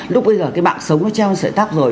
lúc bây giờ cái bạc sống nó treo sợi tóc rồi